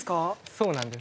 そうなんです。